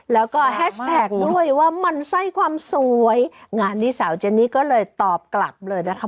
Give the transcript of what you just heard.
แล้วก็แฮชแท็กด้วยว่ามันไส้ความสวยงานนี้สาวเจนนี่ก็เลยตอบกลับเลยนะคะ